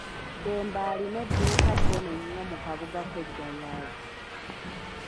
Dembe alina edduuka ddene nnyo mu kabuga ke Gayaza.